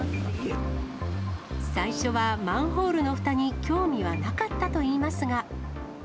最初はマンホールのふたに興味はなかったといいますが。